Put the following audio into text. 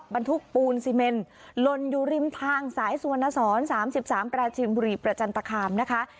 บรรทุกปูนซีเมนลนอยู่ริมทางสายสุวรรณสอน๓๓ปราจินบุรีประจันตคามนะคะ